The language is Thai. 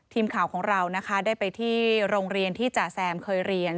ทีมข่าวของเรานะคะได้ไปที่โรงเรียนที่จ่าแซมเคยเรียน